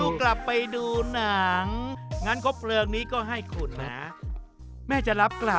ส่วนตัวผมคิดว่ามันเป็นเรื่องที่ไม่คาดฝันมาก่อนเลย